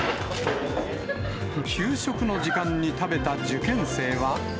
給食の時間に食べた受験生は。